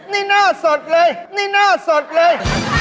นี่หน้าสดเลยนี่หน้าสดเลย